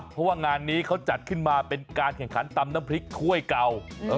เพราะว่างานนี้เขาจัดขึ้นมาเป็นการแข่งขันตำน้ำพริกถ้วยเก่า